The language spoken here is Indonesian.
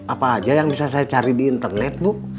apa aja yang bisa saya cari di internet bu